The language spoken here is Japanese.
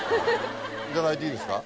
いただいていいですか？